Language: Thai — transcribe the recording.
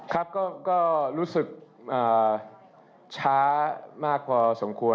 ครับก็รู้สึกช้ามากพอสมควร